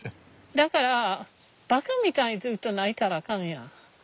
だからばかみたいにずっと泣いたらあかんやん。